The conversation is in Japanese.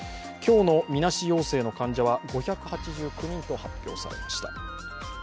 今日のみなし陽性の患者は５８９人と発表されました。